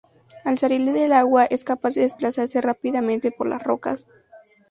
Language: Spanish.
Al salir del agua, es capaz de desplazarse rápidamente por las rocas.